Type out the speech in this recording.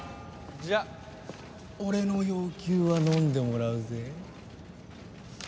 じゃあ俺の要求はのんでもらうぜ。